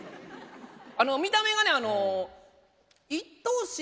あの見た目がね１頭身。